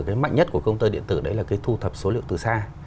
cái mạnh nhất của công tơ điện tử đấy là cái thu thập số liệu từ xa